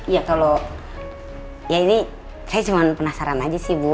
ya kalau ya ini saya cuma penasaran aja sih bu